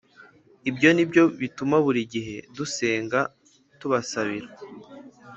ibyo ni byo bituma buri gihe dusenga tubasabira.